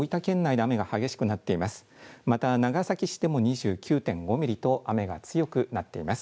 この時間、特に大分県内で雨が激しくなっています。